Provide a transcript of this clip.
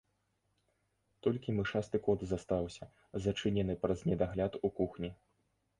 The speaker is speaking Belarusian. Толькі мышасты кот застаўся, зачынены праз недагляд у кухні.